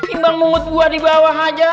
imbang mungut buah di bawah aja